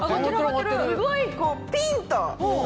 すごいこうピン！と。